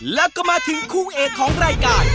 แล้วก็มาถึงคู่เอกของรายการ